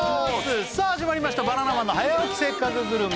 さあ始まりました「バナナマンの早起きせっかくグルメ！！」